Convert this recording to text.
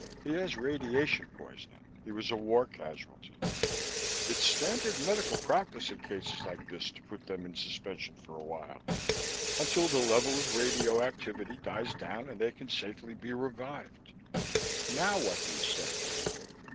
He has radiation poisoning. He was a war casualty. It's standard medical practice in cases like his to put them in suspension for a while, until the level of radioactivity dies down and they can safely be revived. Now what do you say?"